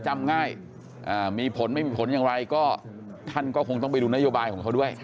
จำง่ายมีผลไม่มีผลอย่างไรก็ท่านก็คงต้องไปดูนโยบายของเขาด้วย